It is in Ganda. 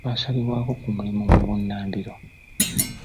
Twasalibwako ku mulimu mu bunnambiro.